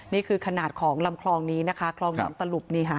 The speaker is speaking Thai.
นี่คือขนาดของลำคลองนี้นะคะคลองหนองตลุบนี่ค่ะ